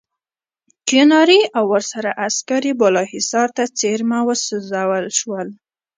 کیوناري او ورسره عسکر یې بالاحصار ته ورڅېرمه وسوځول شول.